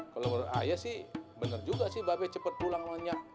kalau menurut ayah sih bener juga sih bape cepet pulang banyak